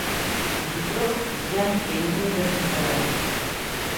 Mbi trup vjen e i ulet një pëllumb.